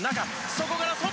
そこから外。